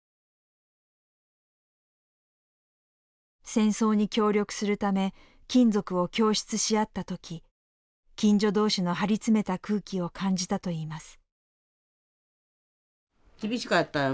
戦争に協力するため金属を供出し合った時近所同士の張り詰めた空気を感じたといいます。